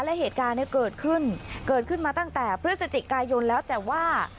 และเหตุการณ์เนี่ยเกิดขึ้นเกิดขึ้นมาตั้งแต่พฤศจิกายนแล้วแต่ว่า